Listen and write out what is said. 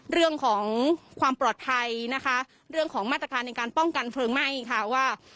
เรื่องของความปลอดภัยนะคะเรื่องของมาตรการในการป้องกันเพลิงไหม้ค่ะว่า